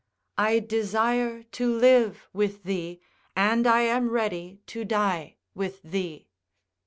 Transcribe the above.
I desire to live with thee, and I am ready to die with thee.